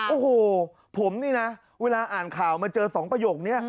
โอ้โหผมนี่นะเวลาอ่านข่าวมาเจอ๒ประโยคนี้